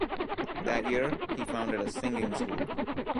That year he founded a singing school.